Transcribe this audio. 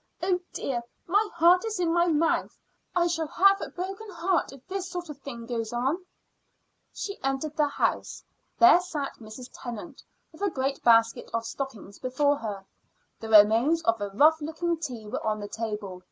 "Oh, dear, my heart is in my mouth! I shall have a broken heart if this sort of thing goes on." She entered the house. There sat Mrs. Tennant with a great basket of stockings before her. The remains of a rough looking tea were on the table.